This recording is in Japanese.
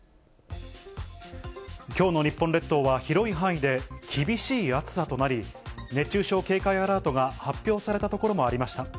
きょうの日本列島は広い範囲で厳しい暑さとなり、熱中症警戒アラートが発表された所もありました。